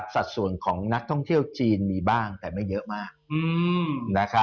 สัดส่วนของนักท่องเที่ยวจีนมีบ้างแต่ไม่เยอะมาก